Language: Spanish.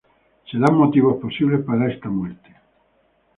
Se dan dos motivos posibles para esta muerte.